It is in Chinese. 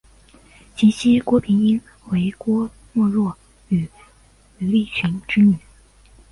其妻郭平英为郭沫若与于立群之女。